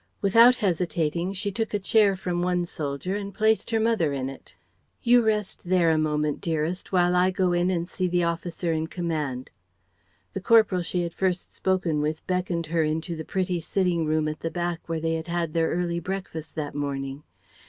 Without hesitating she took a chair from one soldier and placed her mother in it. "You rest there a moment, dearest, while I go in and see the officer in command." The corporal she had first spoken with beckoned her into the pretty sitting room at the back where they had had their early breakfast that morning.